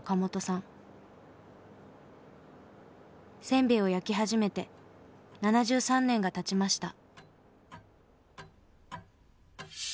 せんべいを焼き始めて７３年がたちました。